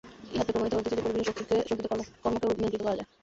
ইহাতে প্রমাণিত হইতেছে যে, পরিবেশের শক্তিতে কর্মকেও নিয়ন্ত্রিত করা যায়।